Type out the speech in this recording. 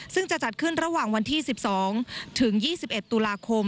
ซึ่งจะจัดขึ้นระหว่างวันที่๑๒ถึง๒๑ตุลาคม